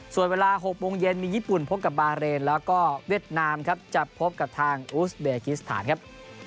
ส่วนเวลา๖โมงเย็นมีญี่ปุ่นพบกับบาเรนแล้วก็เวียดนามครับจะพบกับทางอูสเบกิสถานครับ